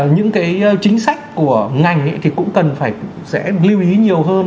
những cái chính sách của ngành thì cũng cần phải lưu ý nhiều hơn